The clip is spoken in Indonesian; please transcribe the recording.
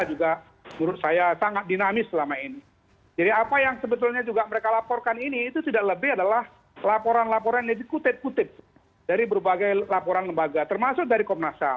jadi apa yang sebetulnya mereka laporkan ini itu tidak lebih adalah laporan laporan yang dikutip kutip dari berbagai laporan lembaga termasuk dari komnas ham